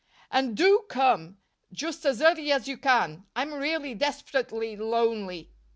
And do come just as early as you can I'm really desperately lonely."